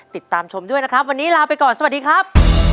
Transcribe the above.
ติดตามชมด้วยนะครับวันนี้ลาไปก่อนสวัสดีครับ